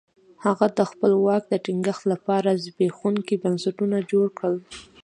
هغه د خپل واک د ټینګښت لپاره زبېښونکي بنسټونه جوړ کړل.